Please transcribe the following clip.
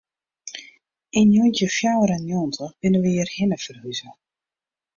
Yn njoggentjin fjouwer en njoggentich binne we hjirhinne ferhûze.